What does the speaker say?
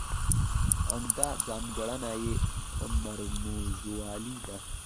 عمده ځانګړنه یې مرموزوالی دی.